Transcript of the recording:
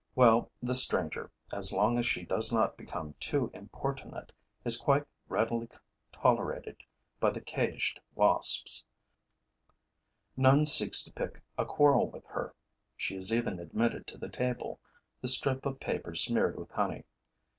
Well, this stranger, as long as she does not become too importunate, is quite readily tolerated by the caged wasps. None seeks to pick a quarrel with her. She is even admitted to the table, the strip of paper smeared with honey.